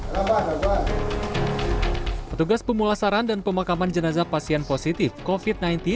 hai rapat rapat petugas pemulasaran dan pemakaman jenazah pasien positif kofit